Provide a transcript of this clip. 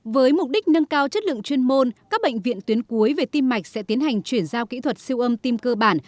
với mục đích nâng cao chất lượng chuyên môn các bệnh viện tuyến cuối về tim mạch sẽ tiến hành chuyển giao kỹ thuật siêu âm tiêm cơ bản